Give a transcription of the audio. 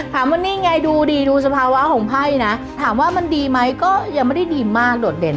ถามว่านี่ไงดูดีดูสภาวะของไพ่นะถามว่ามันดีไหมก็ยังไม่ได้ดีมากโดดเด่น